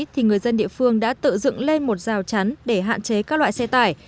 thì người dân địa phương đã tự dựng lên một rào chắn để hạn chế các loại xe tải